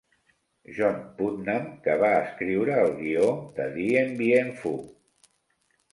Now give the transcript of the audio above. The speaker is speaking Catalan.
John Putnam, que va escriure el guió de "Dien Bien Phu!".